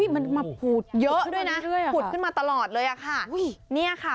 มันมาผูดเยอะด้วยนะผูดขึ้นมาตลอดเลยค่ะ